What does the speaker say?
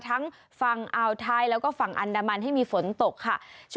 ทั้งฝั่งอ่าวไทยแล้วก็ฝั่งอันดามันให้มีฝนตกค่ะ